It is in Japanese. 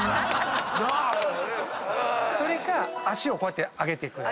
それか足をこうやって上げて。